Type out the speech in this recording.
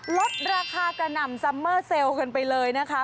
ลดราคากระหน่ำซัมเมอร์เซลล์กันไปเลยนะคะ